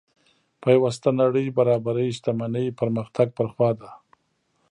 پیوسته نړۍ برابرۍ شتمنۍ پرمختګ پر خوا ده.